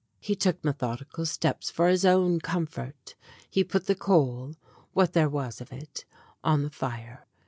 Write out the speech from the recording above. He took methodical steps for his own comfort. He put the coal (what there was of it) on the fire.